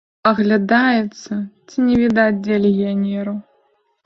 Аглядаецца, ці не відаць дзе легіянераў.